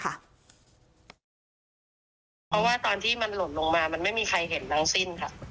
เพราะว่าตอนที่มันหล่นลงมามันไม่มีใครเห็นทั้งสิ้นค่ะ